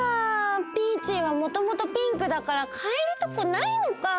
ピーチーはもともとピンクだからかえるとこないのかぁ。